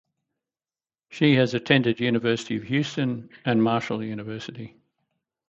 She has attended University of Houston and Marshall University.